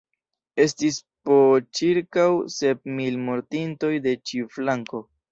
Estis po ĉirkaŭ sep mil mortintoj de ĉiu flanko.